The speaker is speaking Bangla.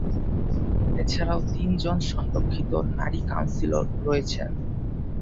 এছাড়াও তিন জন সংরক্ষিত নারী কাউন্সিলর রয়েছেন।